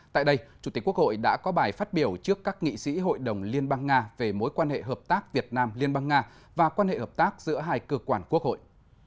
tại đây chủ tịch quốc hội đã có bài phát biểu trước các nghị sĩ hội đồng liên bang nga về mối quan hệ hợp tác việt nam liên bang nga và quan hệ hợp tác giữa hai cơ quan quốc hội